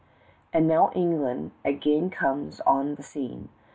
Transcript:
And now England again comes on the scene.